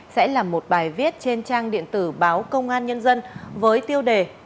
sẽ là một bài viết trên trang điện tử báo công an nhân dân với tiêu đề